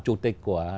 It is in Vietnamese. chủ tịch của